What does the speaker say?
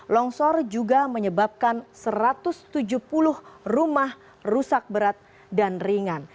longsor juga menyebabkan satu ratus tujuh puluh rumah rusak berat dan ringan